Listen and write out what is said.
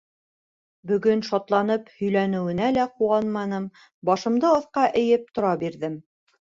Бөгөн шатланып һөйләнеүенә лә ҡыуанманым, башымды аҫҡа эйеп тора бирҙем.